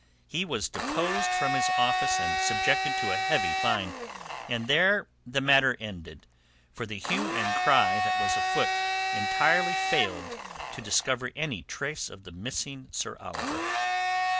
He was deposed from his office and subjected to a heavy fine, and there the matter ended, for the hue and cry that was afoot entirely failed to discover any trace of the missing Sir Oliver.